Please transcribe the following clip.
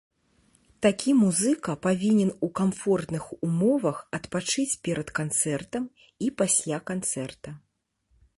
Такі музыка павінен у камфортных умовах адпачыць перад канцэртам і пасля канцэрта.